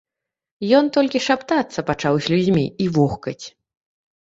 Ён толькі шаптацца пачаў з людзьмі і вохкаць.